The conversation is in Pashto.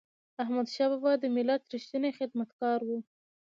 احمدشاه بابا د ملت ریښتینی خدمتګار و.